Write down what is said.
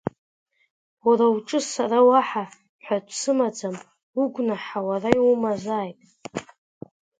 Уара уҿы сара уаҳа ҳәатә сымаӡам, угәнаҳа уара иумазааит!